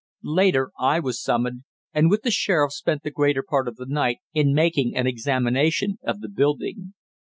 Later I was summoned, and with the sheriff spent the greater part of the night in making an examination of the building.